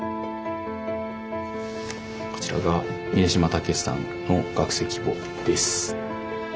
こちらが峯島武さんの学籍簿です。